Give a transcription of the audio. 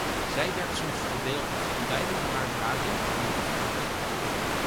Zij werkt soms voorbeeldig en wij moeten haar daarin aanmoedigen.